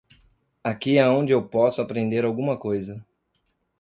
Aqui é onde eu posso aprender alguma coisa.